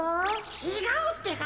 ちがうってか。